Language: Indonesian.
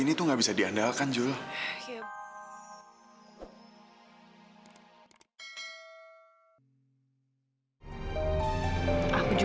ini masih kerjaan kamu